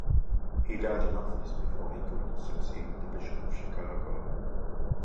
He died in office before he could succeed the Bishop of Chicago.